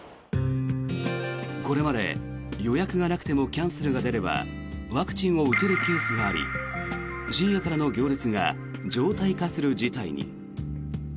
これまで、予約がなくてもキャンセルが出ればワクチンを打てるケースがあり深夜からの行列が常態化する事態に。